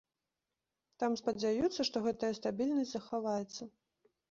Там спадзяюцца, што гэтая стабільнасць захаваецца.